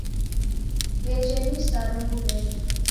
Ghenjenyi saru mbuw'enyi